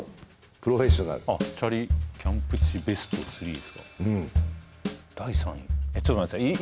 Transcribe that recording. プロフェッショナルあっ「チャリキャンプ地ベスト３」ですか第３位ちょっと待ってください